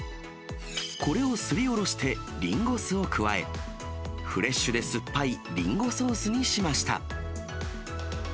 これをすりおろしてリンゴ酢を加え、フレッシュで酸っぱいリンゴソースにしました。